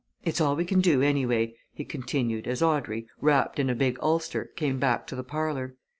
It's all we can do, anyway," he continued, as Audrey, wrapped in a big ulster, came back to the parlour.